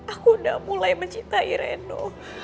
aku udah mulai mencintai reno